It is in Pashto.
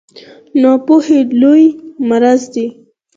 ناپوهي لوی مرض دی